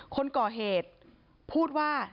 คนก่อเหตุพูดว่า